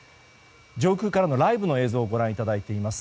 上空からのライブの映像をご覧いただいています。